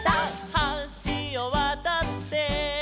「はしをわたって」